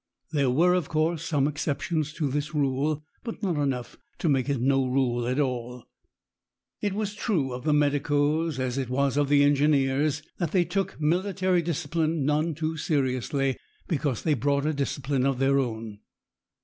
There were, of course, some exceptions to this rule, but not enough to make it no rule at all. It was true of the medicoes, as it was of the engineers, that they took military discipline none too seriously, because they brought a discipline of their own.